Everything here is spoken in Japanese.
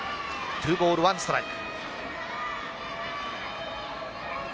２ボール２ストライク。